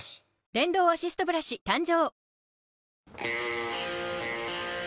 電動アシストブラシ誕生！